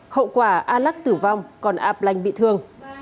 hậu quả a lắc tử vong còn ạp lành bị thương